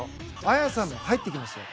綾さんも入ってきますよ。